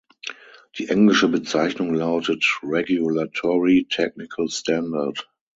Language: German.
Die englische Bezeichnung lautet "Regulatory Technical Standard".